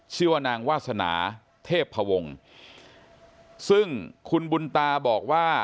ชื่อว่านางวาสนาเทพพวงซึ่งคุณบุญตาบอกว่า